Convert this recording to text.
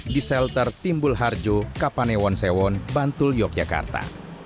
di shelter timbul harjo kapanewon sewon bantul yogyakarta